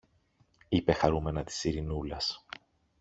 είπε χαρούμενα της Ειρηνούλας